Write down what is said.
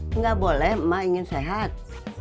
tidak boleh emak ingin sehat